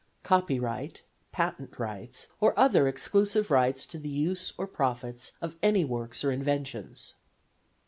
Copyright, patent rights, or other exclusive rights to the use or profits of any works or inventions."